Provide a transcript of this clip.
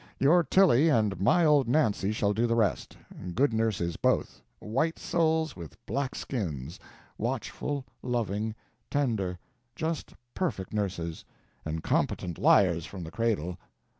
"Your Tilly and my old Nancy shall do the rest good nurses both, white souls with black skins, watchful, loving, tender just perfect nurses! and competent liars from the cradle....